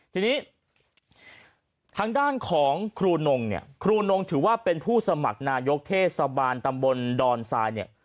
ทีนี้ทางด้านของครูนงเนี่ยครูนงถือว่าเป็นผู้สมัครนายกเทศบาลตำบลดอนทรายเนี่ย